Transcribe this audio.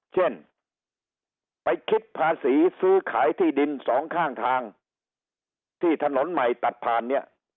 เช่นไปคิดภาษีซื้อขายที่ดินสองข้างทางที่ถนนใหม่ตัดผ่านเนี่ย